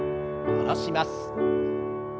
下ろします。